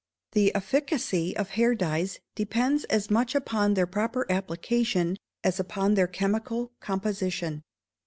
The efficacy of hair dyes depends as much upon their proper application as upon their chemical composition.